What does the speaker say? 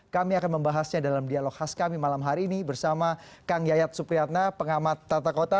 kami akan membahasnya dalam dialog khas kami malam hari ini bersama kang yayat supriyatna pengamat tata kota